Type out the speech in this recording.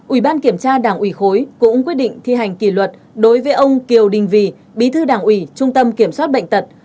ủy ban kiểm tra đảng ủy khối cũng quyết định thi hành kỷ luật đối với ông kiều đình vì bí thư đảng ủy trung tâm kiểm soát bệnh tật